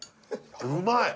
うまい！